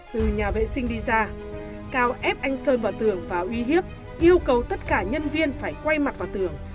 từ nhà vệ sinh đi ra cao ép anh sơn vào tường và uy hiếp yêu cầu tất cả nhân viên phải quay mặt vào tường